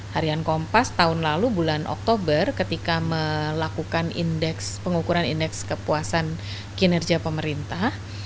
harian kompas tahun lalu bulan oktober ketika melakukan pengukuran indeks kepuasan kinerja pemerintah